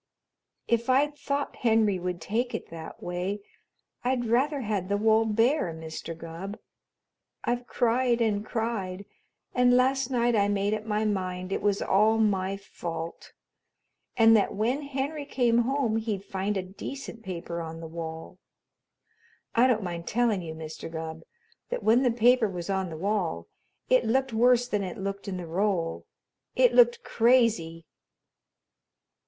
"If I'd thought Henry would take it that way, I'd rather had the wall bare, Mr. Gubb. I've cried and cried, and last night I made up my mind it was all my fault and that when Henry came home he'd find a decent paper on the wall. I don't mind telling you, Mr. Gubb, that when the paper was on the wall it looked worse than it looked in the roll. It looked crazy."